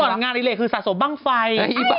ก็ตอนนั้นงานนี้เลยคือสะสมบ้างไฟ